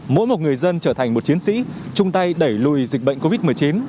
mỗi một người dân trở thành một chiến sĩ chung tay đẩy lùi dịch bệnh covid một mươi chín